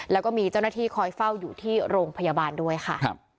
แล้วก็มีเจ้าหน้าที่คอยเฝ้าอยู่ที่โรงพยาบาลด้วยค่ะ